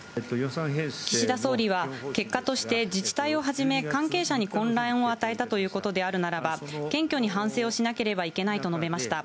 岸田総理は、結果として自治体をはじめ関係者に混乱を与えたということであるならば、謙虚に反省をしなければいけないと述べました。